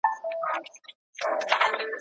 چي منزل مي قیامتي سو ته یې لنډ کې دا مزلونه